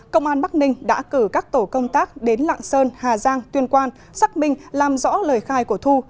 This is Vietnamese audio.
công an bắc ninh đã cử các tổ công tác đến lạng sơn hà giang tuyên quang xác minh làm rõ lời khai của thu